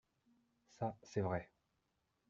Ça, c’est vrai.